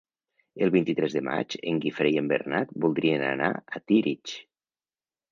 El vint-i-tres de maig en Guifré i en Bernat voldrien anar a Tírig.